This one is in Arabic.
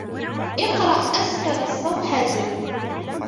إقرأ أسفل الصفحة.